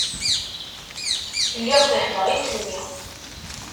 Lliɣ fehhmeɣ iles-nni.